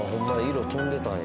色飛んでたんや。